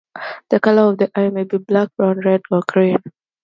The color of the eye may be black, brown, red, pink or green.